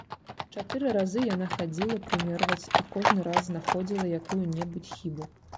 Чатыры разы яна хадзіла прымерваць і кожны раз знаходзіла якую-небудзь хібу.